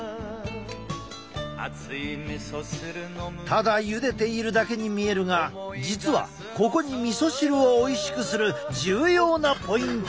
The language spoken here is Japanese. ただゆでているだけに見えるが実はここにみそ汁をおいしくする重要なポイントがある。